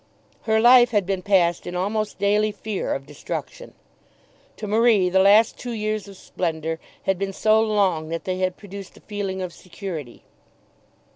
Her life had been passed in almost daily fear of destruction. To Marie the last two years of splendour had been so long that they had produced a feeling of security.